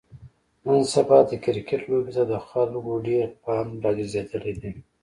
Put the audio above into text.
نن سبا د کرکټ لوبې ته د خلکو ډېر پام راگرځېدلی دی.